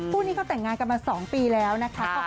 คู่นี้เขาแต่งงานกันมา๒ปีแล้วนะคะ